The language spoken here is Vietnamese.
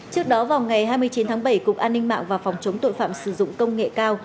trước đó vào ngày hai mươi chín tháng bảy cục an ninh mạng và phòng chống tội phạm sử dụng công nghệ cao